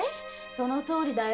そのとおりだよ。